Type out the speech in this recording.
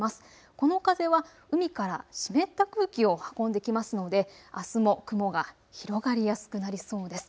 この風は海から湿った空気を運んできますのであすも雲が広がりやすくなりそうです。